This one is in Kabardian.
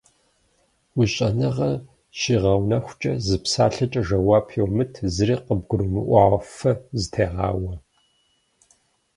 Уи щӏэныгъэр щигъэунэхукӏэ, зы псалъэкӏэ жэуап иумыт, зыри къыбгурмыӏуауэ фэ зытегъауэ.